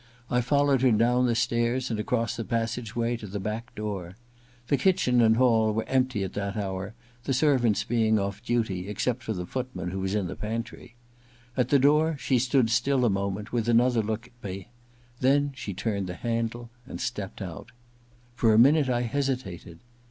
I followed her down the stairs, and across the passage way to the back door. The kitchen and hall were empty at that hour, the servants being oiF duty, except for the footman, who was in the pantry. At the door she stood still a moment, with another look at me ; then she turned the handle, and stepped out. For a minute I hesitated.